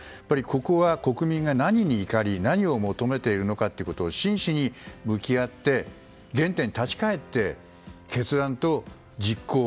ここは国民が何に怒り何を求めているのかを真摯に向き合って原点に立ち返って決断と実行。